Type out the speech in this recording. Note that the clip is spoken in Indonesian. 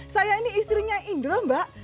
saya ini istrinya indra mbak